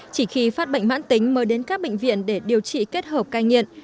chỉ khi phát bệnh mãn tính mới đến các bệnh viện để điều trị kết hợp cai nghiện